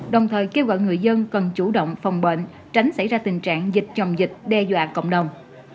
đồng thời kêu gọi người dân cần chủ động phòng bệnh tránh xảy ra tình trạng dịch chồng dịch đe dọa cộng đồng